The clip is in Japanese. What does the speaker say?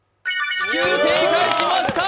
地球正解しました。